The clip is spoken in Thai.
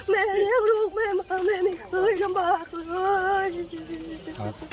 แม่เลี้ยงลูกแม่มาแม่ไม่เคยลำบากเลย